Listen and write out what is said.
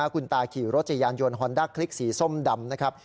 คุณตาขี่รถจักรยานยนต์ฮอนด้าคลิกสีส้มดำนะครับ